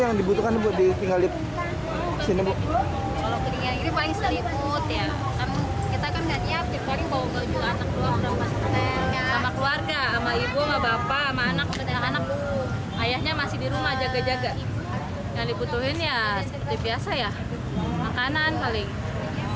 yang dibutuhin ya seperti biasa ya makanan paling